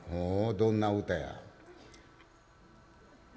どんな歌や？」。